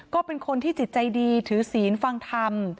ก็เป็นคนที่จิตใจดีถือศีลฟังธรรม